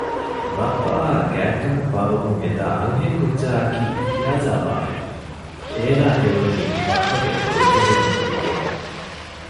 ބައްޕައާ ގާތްކަމެއް ބާއްވަމުން އެދާ އަންހެން ކުއްޖާއަކީ ފިޔާޒާބާއެވެ! އޭނާ އެ އުޅެނީ ބައްޕަގެ ބޮލުތެރެއަށް އެރިގެން